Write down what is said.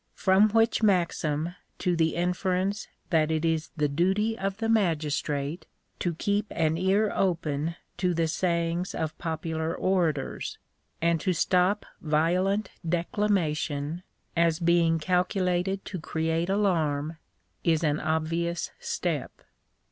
From which maxim to the inference that it is the duty of the magistrate to keep an ear open to the say ings of popular orators, and to stop violent declamation, as being calculated to create alarm, is an obvious step.